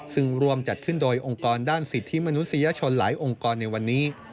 ซึ่งร่วมจัดขึ้นโดยองค์กรด้านสิทธิมนุษยชนหลายองค์กรในวันนี้